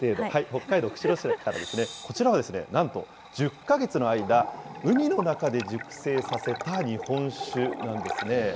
北海道釧路市からですね、こちらはなんと１０か月の間、海の中で熟成させた日本酒なんですね。